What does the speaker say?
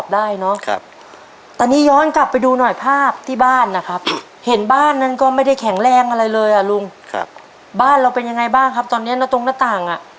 ดีขึ้นของเขา